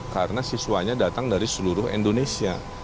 karena siswanya datang dari seluruh indonesia